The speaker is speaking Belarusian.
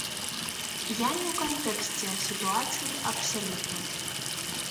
Я не ў кантэксце сітуацыі абсалютна.